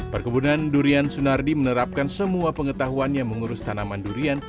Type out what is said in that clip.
perkebunan durian sunardi menerapkan semua pengetahuannya mengurus tanaman durian